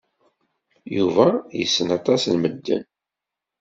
Yuba yessen aṭas n medden.